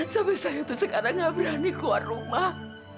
sampai saya itu sekarang gak berani keluar rumah